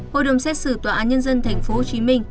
hội đồng xét xử tòa án nhân dân tp hcm